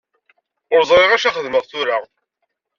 Ur ẓriɣ acu ara xedmeɣ tura.